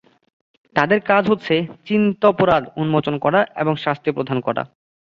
তাদের কাজ হচ্ছে "চিন্তা অপরাধ" উন্মোচন করা এবং শাস্তি প্রদান করা।